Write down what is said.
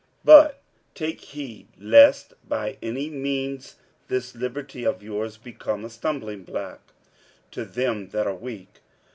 46:008:009 But take heed lest by any means this liberty of your's become a stumblingblock to them that are weak.